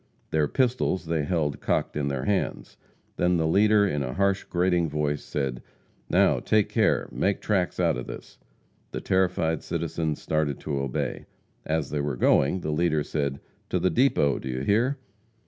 Their pistols they held cocked in their hands. Then the leader, in a harsh, grating voice, said: "Now, take care, make tracks out of this!" The terrified citizens started to obey. As they were going, the leader said: "To the depot, do you hear!"